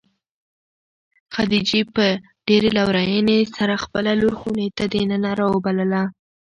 خدیجې په ډېرې لورېنې سره خپله لور خونې ته د ننه راوبلله.